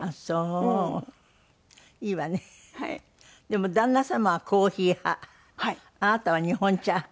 でも旦那様はコーヒー派あなたは日本茶派。